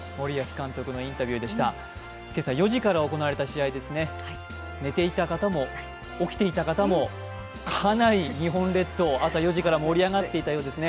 今朝４時から行われた試合ですね、寝ていた方も起きていた方もかなり日本列島、朝４時から盛り上がっていたようですね。